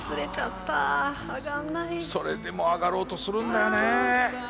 それでも上がろうとするんだよね。